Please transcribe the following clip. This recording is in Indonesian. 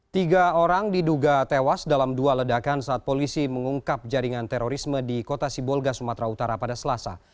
tiga orang diduga tewas dalam dua ledakan saat polisi mengungkap jaringan terorisme di kota sibolga sumatera utara pada selasa